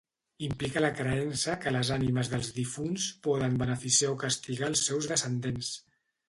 Implica la creença que les ànimes dels difunts poden beneficiar o castigar els seus descendents.